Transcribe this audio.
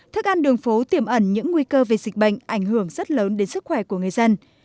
thức ăn đường phố tiềm ẩn những nguy cơ về dịch bệnh ảnh hưởng rất lớn đến sức khỏe của người dân